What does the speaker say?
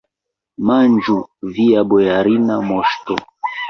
Manĝu, via bojarina moŝto!